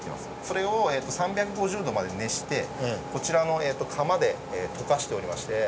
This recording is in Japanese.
それを３５０度まで熱してこちらの窯で溶かしておりまして。